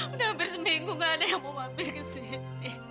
udah hampir seminggu gak ada yang mau mampir ke sini